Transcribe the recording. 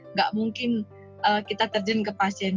nggak mungkin kita terjun ke pasien